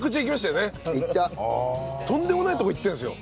「とんでもない所行ってるんですよ」